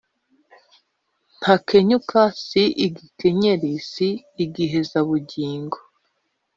ntakenyuka si igikenyeri si igihezabugingo